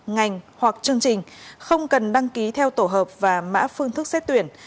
ngành hoặc chương trình không cần đăng ký theo tổ hợp và mã phương thức xét tuyển